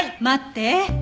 待って。